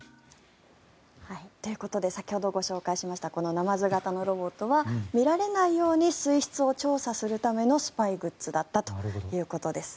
ということで先ほどご紹介しましたこのナマズ型ロボットは見られないように水質を調査するためのスパイグッズだったということです。